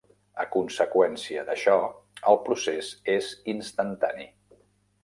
A conseqüència d'això, el procés és "instantani".